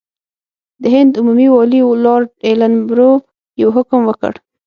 د هند عمومي والي لارډ ایلن برو یو حکم وکړ.